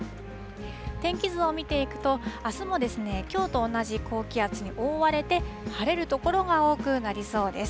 天気図を見ていくと、あすもきょうと同じ高気圧に覆われて、晴れる所が多くなりそうです。